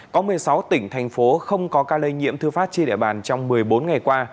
có một mươi sáu tỉnh thành phố không có ca lây nhiễm thư phát trên địa bàn trong một mươi bốn ngày qua